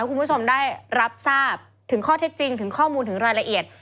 คุณผู้ชมได้รับทราบถึงข้อเท็จจริงถึงข้อมูลถึงรายละเอียด